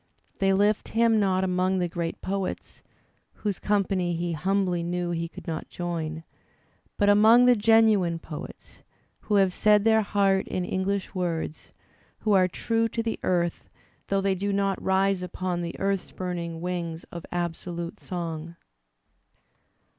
They lift hina not among the great poets, whose company he humbly knew he could not join, but among the genuine poets, who have said their heart in English words, who are true to the earth though they do not rise upon the earth spuming wings of absolute song.